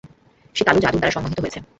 সে কালো জাদুর দ্বারা সম্মোহিত হয়েছে।